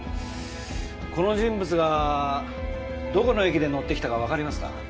この人物がどこの駅で乗ってきたかわかりますか？